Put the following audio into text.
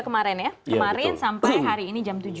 dua puluh tiga kemarin ya kemarin sampai hari ini jam tujuh